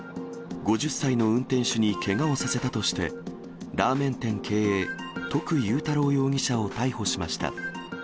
５０歳の運転手にけがをさせたとして、ラーメン店経営、徳祐太郎容疑者を逮捕しました。